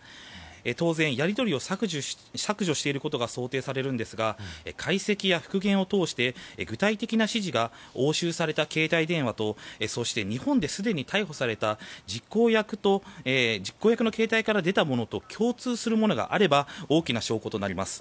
当然、やり取りを削除していることが想定されるんですが解析や復元を通して具体的な指示が押収された携帯電話と日本ですでに逮捕された実行役の携帯から出たものと共通するものがあれば大きな証拠となります。